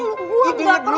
nggak gue gak perlu